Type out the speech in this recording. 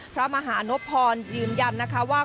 พระมหานพพรยืนยันนะคะว่า